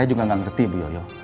saya juga nggak ngerti bu yoyo